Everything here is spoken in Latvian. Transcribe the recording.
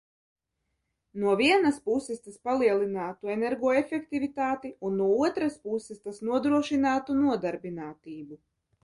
No vienas puses tas palielinātu energoefektivitāti un no otras puses tas nodrošinātu nodarbinātību.